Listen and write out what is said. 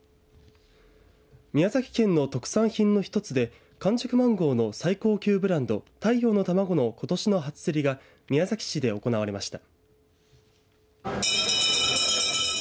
宮崎県の特産品の一つで完熟マンゴーの最高級ブランド太陽のタマゴのことしの初競りが宮崎市で行われました。